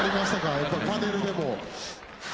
やっぱりパネルでも。